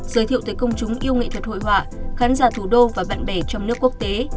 giới thiệu tới công chúng yêu nghệ thuật hội họa khán giả thủ đô và bạn bè trong nước quốc tế